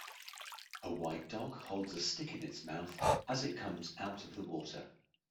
A white dog holds a stick in its mouth as it comes out of the water.